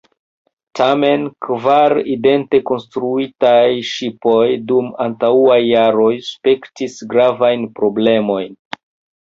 Tamen, kvar idente konstruitaj ŝipoj dum antaŭaj jaroj spertis gravajn problemojn.